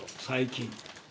最近。